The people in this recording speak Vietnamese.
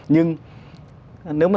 nhưng nếu mà